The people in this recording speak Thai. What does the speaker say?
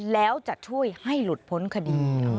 แล้วจะช่วยให้หลุดพ้นคดี